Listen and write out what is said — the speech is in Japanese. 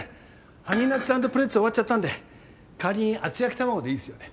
ハニーナッツ＆プレッツェ終わっちゃったんで代わりに厚焼き卵でいいですよね？